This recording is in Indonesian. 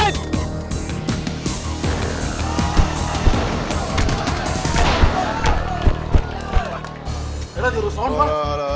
ini udah diurusan pak